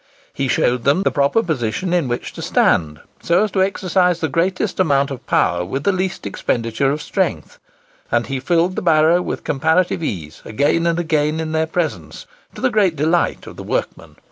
He showed them the proper position in which to stand so as to exercise the greatest amount of power with the least expenditure of strength; and he filled the barrow with comparative ease again and again in their presence, to the great delight of the workmen.